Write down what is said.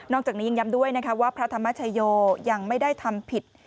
จากนี้ยังย้ำด้วยนะคะว่าพระธรรมชโยยังไม่ได้ทำผิด